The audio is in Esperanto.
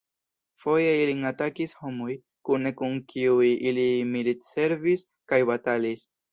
Foje ilin atakis homoj, kune kun kiuj ili militservis kaj batalis.